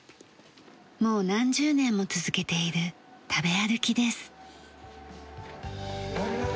もう何十年も続けている食べ歩きです。